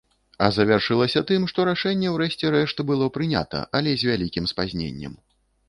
А завяршылася тым, што рашэнне ў рэшце рэшт было прынята, але з вялікім спазненнем.